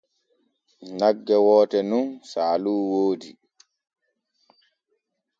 Nagge woote nun saalu woodi.